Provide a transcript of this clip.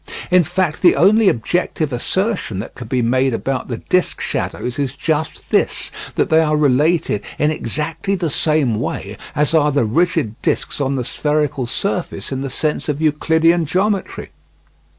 In fact the only objective assertion that can be made about the disc shadows is just this, that they are related in exactly the same way as are the rigid discs on the spherical surface in the sense of Euclidean geometry.